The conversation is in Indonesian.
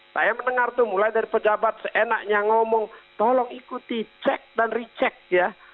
saya mendengar tuh mulai dari pejabat seenaknya ngomong tolong ikuti cek dan recheck ya